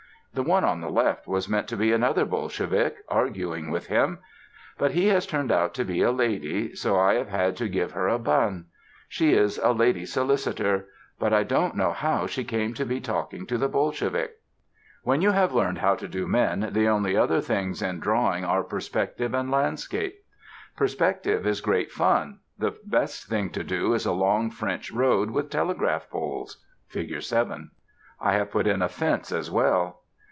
The one on the left was meant to be another Bolshevik, arguing with him. But he has turned out to be a lady, so I have had to give her a "bun." She is a lady solicitor; but I don't know how she came to be talking to the Bolshevik. [Illustration: FIG. 6] When you have learned how to do men, the only other things in Drawing are Perspective and Landscape. PERSPECTIVE is great fun: the best thing to do is a long French road with telegraph poles (Fig. 7). I have put in a fence as well.